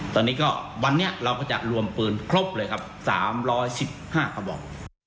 ตอนนี้ก็วันนี้เราก็จะรวมปืนครบเลยครับ๓๑๕กระบอก